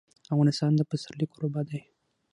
افغانستان د پسرلی کوربه دی.